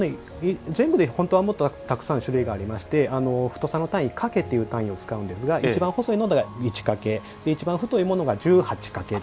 全部で本当はもっとたくさん種類がありまして太さの単位、掛という単位を使うんですが一番細いものが１掛一番太いものが１８掛。